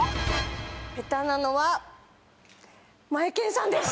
下手なのはマエケンさんです。